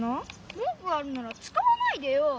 もんくあるならつかわないでよ！